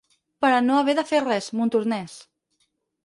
Per a no haver de fer res, Montornès.